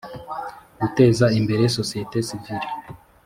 guteza imbere sosiyete sivile